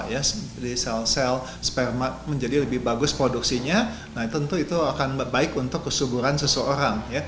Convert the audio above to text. dari sel sel sperma menjadi lebih bagus produksinya nah tentu itu akan baik untuk kesuburan seseorang